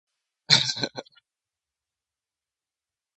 Malaysian artist Aruna Bala and others play supporting roles in the film.